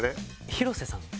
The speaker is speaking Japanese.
広瀬さんで。